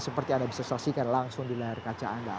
seperti anda bisa saksikan langsung di layar kaca anda